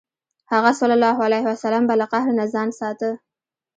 هغه ﷺ به له قهر نه ځان ساته.